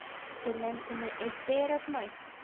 Теләнсене эт тә яратмай.